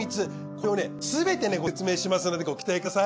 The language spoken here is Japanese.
これをすべてご説明しますのでご期待ください。